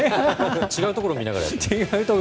違うところを見ながら。